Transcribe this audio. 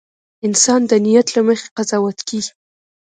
• انسان د نیت له مخې قضاوت کېږي.